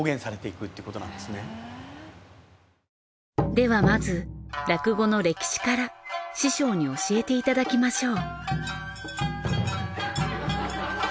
ではまず落語の歴史から師匠に教えていただきましょう。